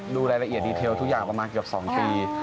ดูรายละเอียดดีเทลทุกอย่างประมาณเกือบ๒ปี